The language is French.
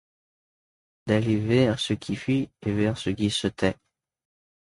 D’aller vers ce qui fuit et vers ce qui se tait.